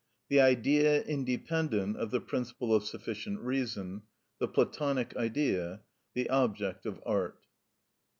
The Idea Independent Of The Principle Of Sufficient Reason: The Platonic Idea: The Object Of Art.